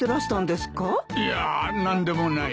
いや何でもない。